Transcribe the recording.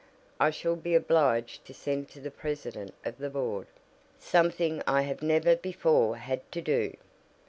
I shall be obliged to send to the president of the Board; something I have never before had to do.